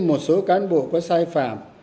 một số cán bộ có sai phạm